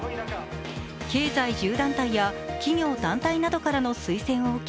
経済１０団体や企業・団体などからの推薦を受け